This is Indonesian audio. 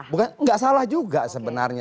bukan nggak salah juga sebenarnya